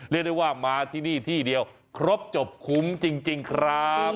เรียกได้ว่ามาที่นี่ที่เดียวครบจบคุ้มจริงครับ